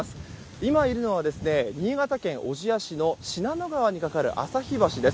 今、いるのは新潟県小千谷市の信濃川に架かる橋です。